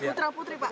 putra putri pak